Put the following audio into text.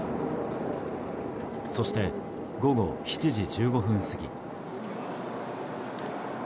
そして午後７時１５分過ぎ。